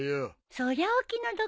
そりゃあお気の毒さま。